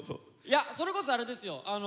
いやそれこそあれですよ。